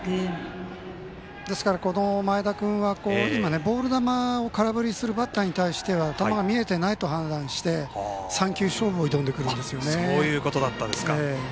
ですから、前田君は今、ボール球を空振りするバッターに対しては見えていないと判断して３球勝負を挑んでくるんですよね。